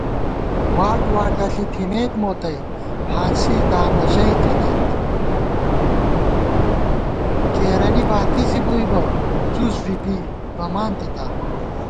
واٹ واٹہ ݪی تھمېت مو تئ، ہانسی دامہ ژَئی تھنَئیت * کېرَنی باتی زی بُوئی بہ، څُس بی بی بَمان تِتا